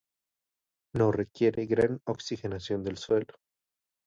No requiere gran oxigenación del suelo.